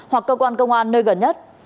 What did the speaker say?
hoặc cơ quan công an nơi gần nhất